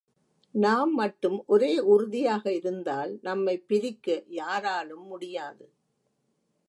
நாம் மட்டும் ஒரே உறுதியாக இருந்தால் நம்மைப் பிரிக்க யாராலும் முடியாது.